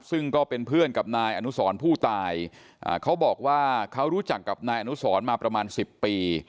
ซึ่งก็เป็นเพื่อนกับนายอนุสรผู้ตายเขาบอกว่าเขารู้จักกับนายอนุสรมาประมาณ๑๐ปี